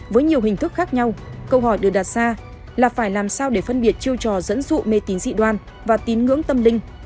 với nhiều hình thức khác nhau câu hỏi được đặt ra là phải làm sao để phân biệt chiêu trò dẫn dụ mê tín dị đoan và tín ngưỡng tâm linh